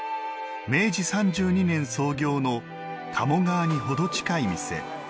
明治３２年創業の鴨川にほど近い店。